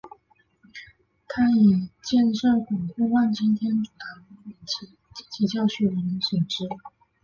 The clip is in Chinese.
他以建设巩固万金天主堂及其教区为人所知。